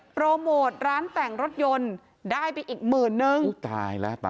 โปรโมทร้านแต่งรถยนต์ได้ไปอีก๑๐๐๐๐บาท